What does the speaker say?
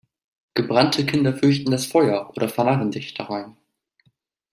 Gebrannte Kinder fürchten das Feuer oder vernarren sich darein.